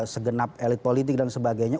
segenap elit politik dan sebagainya